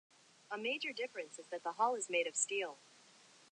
A major difference is that the hull is made of steel.